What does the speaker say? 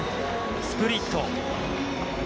スプリット。